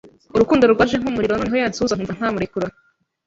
Urukundo rwaje nk’umuriro, noneho yansuhuza nkumva ntamurekura